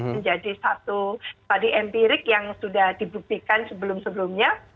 menjadi satu tadi empirik yang sudah dibuktikan sebelum sebelumnya